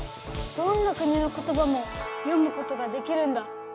どんな国の言葉も読むことができるんだ。